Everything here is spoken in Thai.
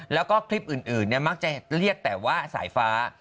แล้วก็คลิปอื่นมักจะเรียกแต่ว่าสายฟ้า